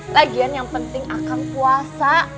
lagian yang penting akan puasa